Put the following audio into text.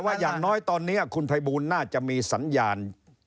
อย่างน้อยตอนนี้คุณภัยบูลน่าจะมีสัญญาณ